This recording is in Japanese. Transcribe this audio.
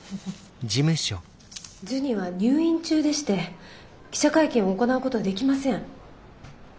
ジュニは入院中でして記者会見を行うことはできません。